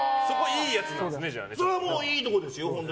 それはもういいところです。